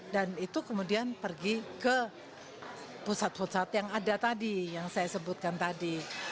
dan itu kemudian pergi ke pusat pusat yang ada tadi yang saya sebutkan tadi